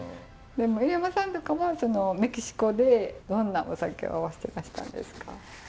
でも入山さんとかはメキシコでどんなお酒を合わしてらしたんですか？